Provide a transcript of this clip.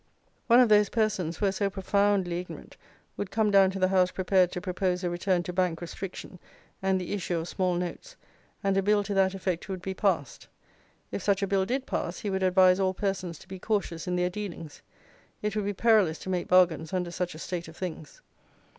One of those persons who were so profoundly ignorant, would come down to the House prepared to propose a return to Bank restriction and the issue of small notes, and a bill to that effect would be passed. If such a bill did pass, he would advise all persons to be cautious in their dealings; it would be perilous to make bargains under such a state of things.